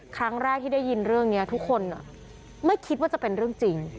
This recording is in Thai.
ครั้งแรกที่ได้ยินเรื่องนี้ทุกคนไม่คิดว่าจะเป็นเรื่องจริง